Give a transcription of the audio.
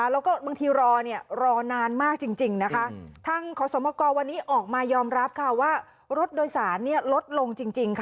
แล้วก็บางทีรอนานมากจริงทางขสมกวันนี้ออกมายอมรับว่ารถโดยสารลดลงจริง